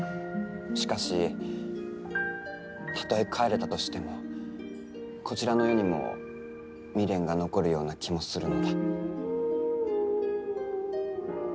しかしたとえ帰れたとしてもこちらの世にも未練が残るような気もするのだ。